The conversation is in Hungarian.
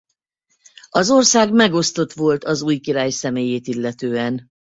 Az ország megosztott volt az új király személyét illetően.